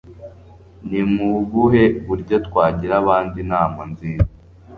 Ni mu buhe buryo twagira abandi inama nziza